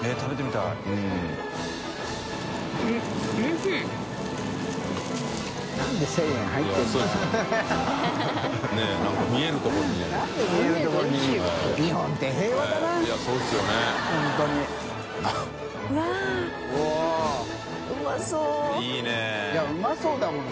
いい諭いやうまそうだもんね。